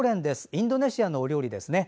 インドネシアのお料理ですね。